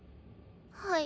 はい。